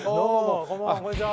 こんにちは。